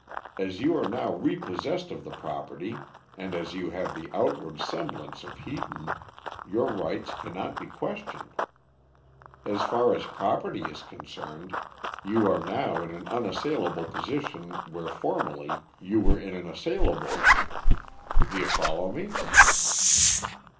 As you are now repossessed of the property, and as you have the outward semblance of Heaton, your rights cannot be questioned. As far as property is concerned you are now in an unassailable position where formerly you were in an assailable one. Do you follow me?"